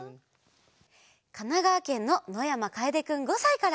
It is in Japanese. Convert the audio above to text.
かながわけんののやまかえでくん５さいから。